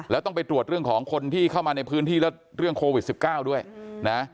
แล้วต้องไปตรวจเรื่องของคนที่เข้ามาในพื้นที่แล้วเรื่องโควิด๑๙ด้วยนะ